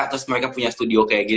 terus mereka punya studio kayak gini